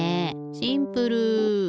シンプル！